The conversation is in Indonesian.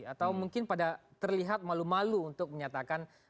atau mungkin pada terlihat malu malu untuk menyatakan